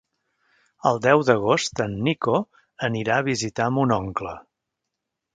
El deu d'agost en Nico anirà a visitar mon oncle.